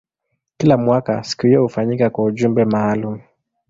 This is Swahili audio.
Kila mwaka siku hiyo hufanyika kwa ujumbe maalumu.